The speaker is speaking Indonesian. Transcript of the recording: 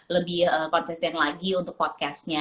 lebih konsisten lagi untuk podcastnya